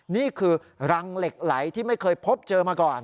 นี่คือรังเหล็กไหลที่ไม่เคยพบเจอมาก่อน